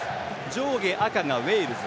上下、赤がウェールズ。